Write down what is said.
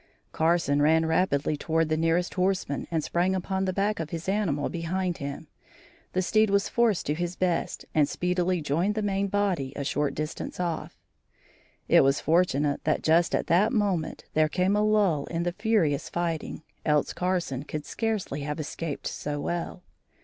Carson ran rapidly toward the nearest horseman and sprang upon the back of his animal behind him. The steed was forced to his best and speedily joined the main body a short distance off. It was fortunate that just at that moment there came a lull in the furious fighting, else Carson could scarcely have escaped so well.